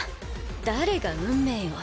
誰が運命よ